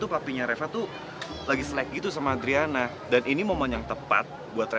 pokoknya sekarang kamu konsentrasi belajar